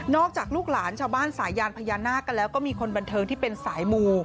อกจากลูกหลานชาวบ้านสายยานพญานาคกันแล้วก็มีคนบันเทิงที่เป็นสายมู